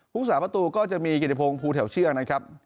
ภูมิศาสตร์ประตูก็จะมีกิจพงษ์ภูที่แถวเชื่อนะครับ